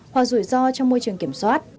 hoặc rủi ro trong môi trường kiểm soát